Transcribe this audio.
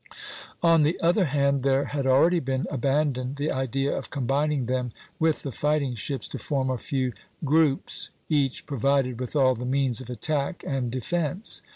On the other hand, there had already been abandoned the idea of combining them with the fighting ships to form a few groups, each provided with all the means of attack and defence.